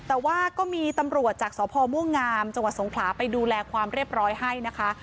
แต่ว่าก็มีตำรวจจากสพม่วงงามจังหวัดสงขลาไปดูแลความเรียบร้อยให้นะคะ